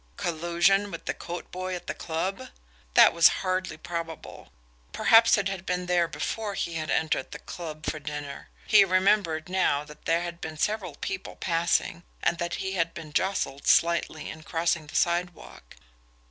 Collusion with the coat boy at the club? That was hardly probable. Perhaps it had been there before he had entered the club for dinner he remembered, now, that there had been several people passing, and that he had been jostled slightly in crossing the sidewalk.